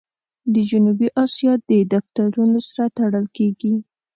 د جنوبي آسیا د دفترونو سره تړل کېږي.